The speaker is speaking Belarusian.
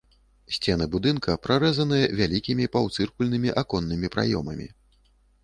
Сцены будынка прарэзаныя вялікімі паўцыркульнымі аконнымі праёмамі.